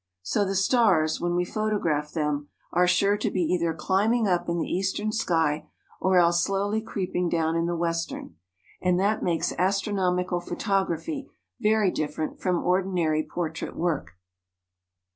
So the stars, when we photograph them, are sure to be either climbing up in the eastern sky or else slowly creeping down in the western. And that makes astronomical photography very different from ordinary portrait work.